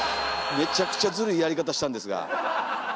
めちゃくちゃずるいやり方したんですが。